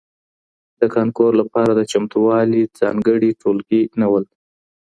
د کانکور لپاره د چمتووالي ځانګړي ټولګي نه وو.